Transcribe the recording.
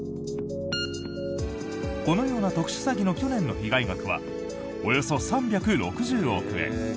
このような特殊詐欺の去年の被害額はおよそ３６０億円。